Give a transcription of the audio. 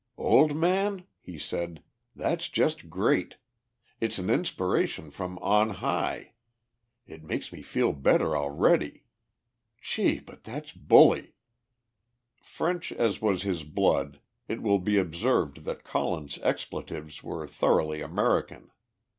"Old man," he said, "that's just great. It's an inspiration from on high. It makes me feel better already. Gee! but that's bully." French as was his blood, it will be observed that Colin's expletives were thoroughly American.